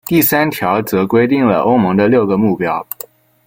第三条则规定了欧盟的六个目标。